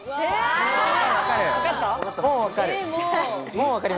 もう分かる。